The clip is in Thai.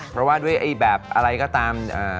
เพราะว่าด้วยแบบอะไรก็ตาม